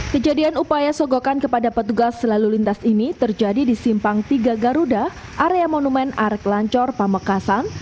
kejadian upaya sogokan kepada petugas selalu lintas ini terjadi di simpang tiga garuda area monumen arek lancor pamekasan